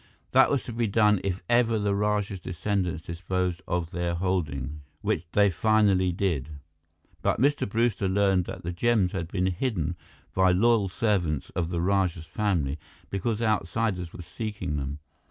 That was to be done if ever the Rajah's descendants disposed of their holdings, which they finally did. But Mr. Brewster learned that the gems had been hidden by loyal servants of the Rajah's family, because outsiders were seeking them."